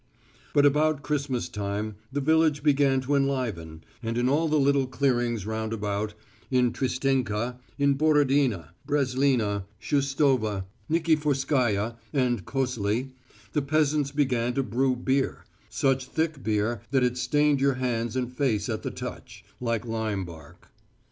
But about Christmas time the village began to enliven, and in all the little clearings round about, in Tristenka, in Borodina, Breslina, Shustova, Nikiforskaya and Kosli the peasants began to brew beer such thick beer that it stained your hands and face at the touch, like lime bark.